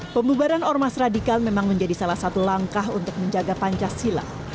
pembubaran ormas radikal memang menjadi salah satu langkah untuk menjaga pancasila